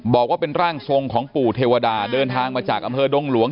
บอกว่าเป็นร่างทรงของปู่เทวดาเดินทางมาจากอำเภอดงหลวง